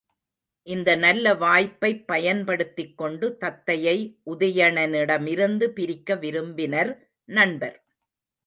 இந்த நல்ல வாய்ப்பைப் பயன்படுத்திக்கொண்டு தத்தையை உதயணனிடமிருந்து பிரிக்க விரும்பினர் நண்பர்.